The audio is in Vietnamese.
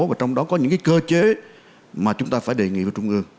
và trong đó có những cơ chế mà chúng ta phải đề nghị với trung ương